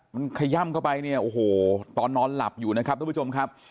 มันขย่ำเข้าไปเนี่ยโอ้โหตอนนอนหลับอยู่นะครับทุกผู้ชมครับ